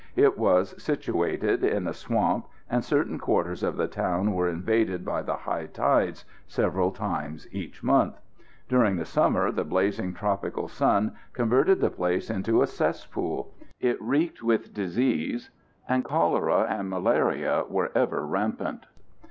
It was situated in a swamp, and certain quarters of the town were invaded by the high tides several times each month. During the summer the blazing tropical sun converted the place into a cesspool. It reeked with disease, and cholera and malaria were ever rampant.